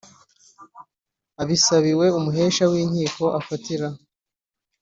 abisabiwe Umuhesha w inkiko afatira